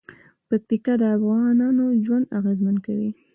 پکتیا د افغانانو ژوند اغېزمن کوي.